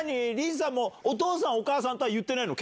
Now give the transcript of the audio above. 凛さんもお父さん、お母さんとは言ってないの？